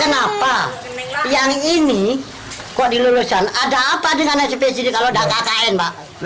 kenapa yang ini kok diluluskan ada apa dengan spjd kalau ada kkn pak